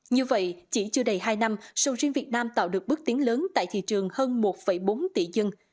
như vậy chỉ chưa đầy hai năm sầu riêng việt nam tạo được bước tiến lớn tại thị trường hơn một bốn tỷ dân